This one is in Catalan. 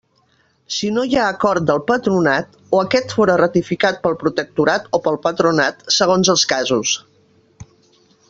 Si no hi ha acord del Patronat, o aquest fóra ratificat pel Protectorat o pel Patronat, segons els casos.